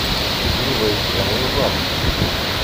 Yuba yettban yuḍen.